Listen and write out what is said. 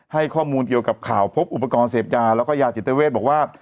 ให้ข้อมูลเกี่ยวกับข่าวพบอุปกรณ์เสพยาแล้วก็ยาจิตเวทบอกว่า